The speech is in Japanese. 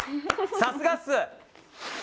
さすがっす！